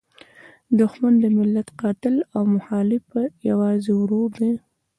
دوښمن د ملت قاتل او مخالف یوازې ورور دی.